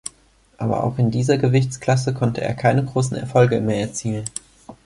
Aber auch in dieser Gewichtsklasse konnte er keine großen Erfolge mehr erzielen.